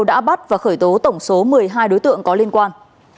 đã bắt và khởi tố tổng số một mươi hai đối tượng có liên quan